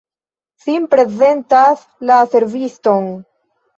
Sin reprezentas la serviston.